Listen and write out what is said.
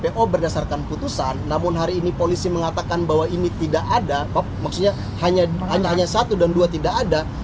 po berdasarkan putusan namun hari ini polisi mengatakan bahwa ini tidak ada maksudnya hanya satu dan dua tidak ada